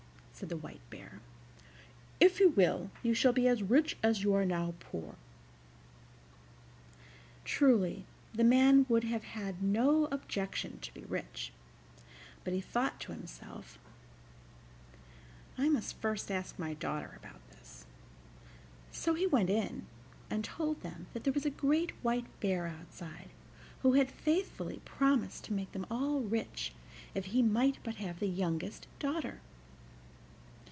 said the White Bear; "if you will, you shall be as rich as you are now poor." Truly the man would have had no objection to be rich, but he thought to himself: "I must first ask my daughter about this," so he went in and told them that there was a great white bear outside who had faithfully promised to make them all rich if he might but have the youngest daughter.